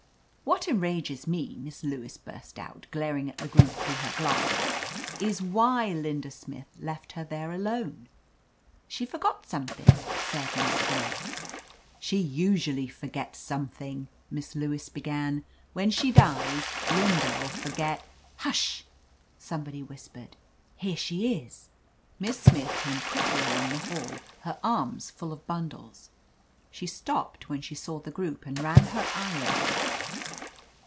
'' "What enrages me," Miss Lewis burst out, glaring at the group through her glasses, "is ,why Linda Smith left her there alone." "She forgot something," said Miss Blake. "She usually forgets something!" Miss Lewis began. "When she dies, Linda'U for get—" "Hushl" somebody whispered. "Here she is." Miss Smith came quickly along the hall, her arms full of bundles. She stopped when she saw the group and ran her eye over it.